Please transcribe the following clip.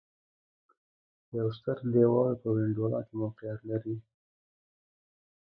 یو ستر دېوال په وینډولا کې موقعیت درلود